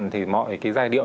thì mọi cái giai điệu